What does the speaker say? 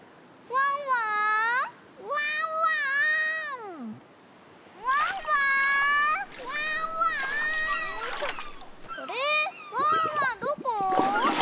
ワンワンどこ？